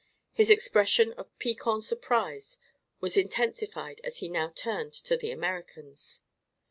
His expression of piquant surprise was intensified as he now turned to the Americans.